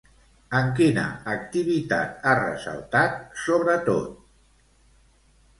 En quina activitat ha ressaltat sobretot?